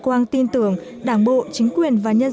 quang tin tưởng đảng bộ chính quyền và nhân dân đều đồng ý